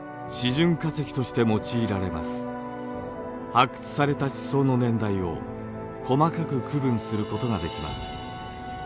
発掘された地層の年代を細かく区分することができます。